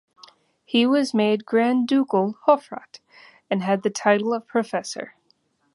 He was made Grand-ducal Hofrat and had the title of professor.